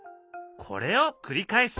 これを繰り返す。